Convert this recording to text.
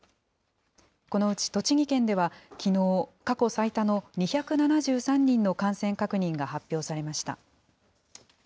このうち栃木県ではきのう、過去最多の２７３人の感染確認が発表されました。